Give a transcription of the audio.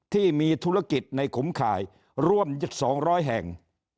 ที่มีธุรกิจในขุมข่ายร่วม๒๐๐แห่ง